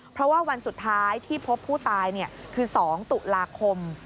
เพราะว่าวันสุดท้ายที่พบผู้ตายคือ๒ตุลาคม